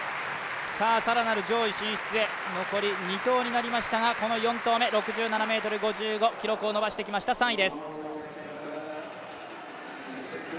更なる上位進出へ残り２投目になりましたがこの４投目６７ｍ５５、記録を伸ばしてきました、３位です。